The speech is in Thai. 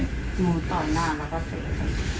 หนูตอนหน้ามาก็เสร็จ